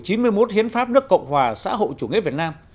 hiến pháp nước cộng hòa xã hội chủ nghĩa việt nam